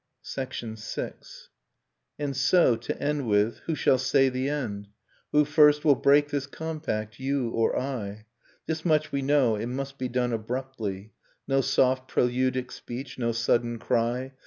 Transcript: VI. And so, to end with — who shall say the end? Who first will break this compact — you or I? This much we know — it must be done abruptly. No soft preludic speech, no sudden cry.